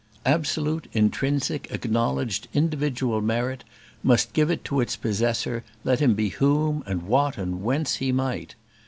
Absolute, intrinsic, acknowledged, individual merit must give it to its possessor, let him be whom, and what, and whence he might.